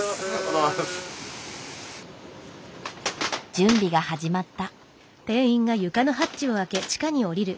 準備が始まった。